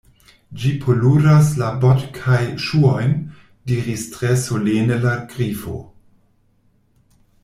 "Ĝi poluras la bot-kaj ŝuojn," diris tre solene la Grifo.